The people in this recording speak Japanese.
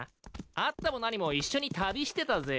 会ったも何も一緒に旅してたぜ。